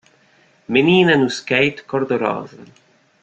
Menina no skate cor de rosa.